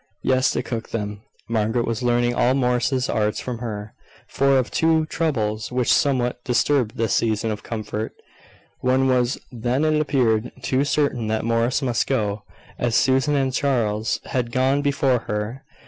Yes, to cook them. Margaret was learning all Morris's arts from her; for, of two troubles which somewhat disturbed this season of comfort, one was that it appeared too certain that Morris must go, as Susan and Charles had gone before her.